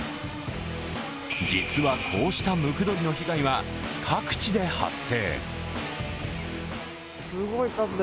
実はこうしたムクドリの被害は各地で発生。